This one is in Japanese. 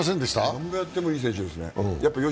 何をやってもいい選手ですね。